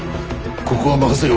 ここは任せよ。